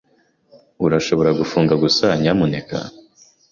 Urashobora gufunga gusa, nyamuneka?